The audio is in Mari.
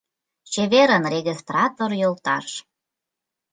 Чеверын, регистратор йолташ!